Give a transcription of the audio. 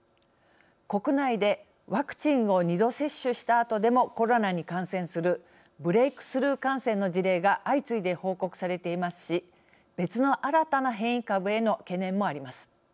国内でワクチンを２度接種したあとでもコロナに感染するブレイクスルー感染の事例が相次いで報告されていますし別の新たな変異株への懸念もあります。